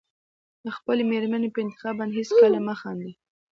د خپلې مېرمنې په انتخاب باندې هېڅکله مه خانده.